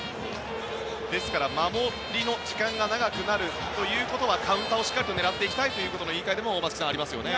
ですから、守りの時間が長くなるということはカウンターをしっかり狙っていきたいということの言いかえでも松木さん、ありますよね。